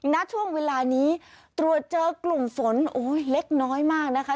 ณช่วงเวลานี้ตรวจเจอกลุ่มฝนโอ้ยเล็กน้อยมากนะคะ